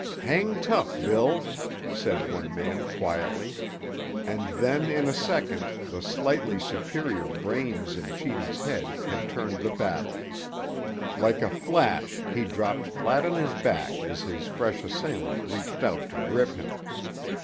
"Hang tough, Bill," said one man quietly; and then in a second the slightly superior brains in Sheedy's head had turned the battle. Like a flash he dropped flat on his back as his fresh assailant reached out to grip him.